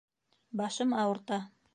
Башым ауырта.